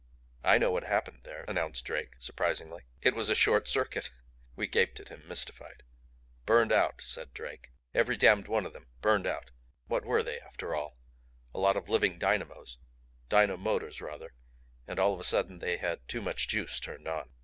"I know what happened there," announced Drake, surprisingly. "It was a short circuit!" We gaped at him, mystified. "Burned out!" said Drake. "Every damned one of them burned out. What were they, after all? A lot of living dynamos. Dynamotors rather. And all of a sudden they had too much juice turned on.